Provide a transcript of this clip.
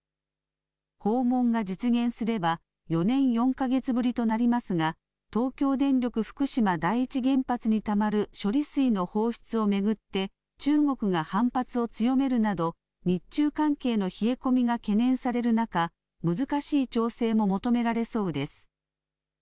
訪問が実現すれば、４年４か月ぶりとなりますが、東京電力福島第一原発にたまる処理水の放出を巡って、中国が反発を強めるなど、日中関係の冷え込みが懸念される中、難しい調整も求められそうです。